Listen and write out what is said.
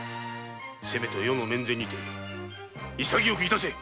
せめて余の面前にて潔く致せ！